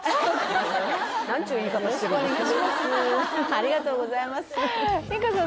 ありがとうございます梨花さん